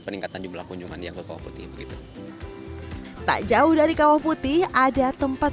peningkatan jumlah kunjungan yang ke kawah putih begitu tak jauh dari kawah putih ada tempat